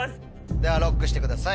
ではＬＯＣＫしてください。